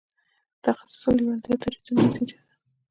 تخصص لېوالتیا دریځونو نتیجه ده.